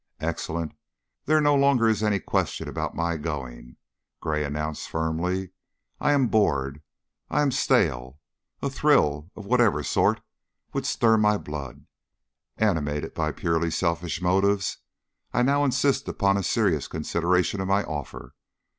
"Excellent! There no longer is any question about my going," Gray announced, firmly. "I am bored; I am stale; a thrill, of whatever sort, would stir my blood. Animated by purely selfish motives, I now insist upon a serious consideration of my offer.